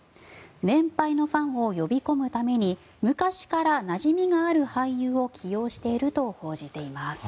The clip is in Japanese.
年配のファンを呼び込むために昔からなじみがある俳優を起用していると報じています。